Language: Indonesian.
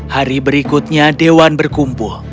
hari berikutnya dewan berkumpul